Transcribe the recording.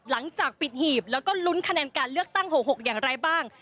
หลังจากปิดหีบแล้วก็ลุ้นคะแนนการเลือกตั้ง๖๖อย่างไรบ้าง